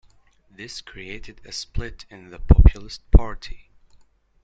This created a split in the Populist Party.